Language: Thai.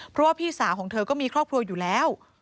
เพราะว่าพี่สาวของเธอก็มีครอบครัวอยู่แล้ว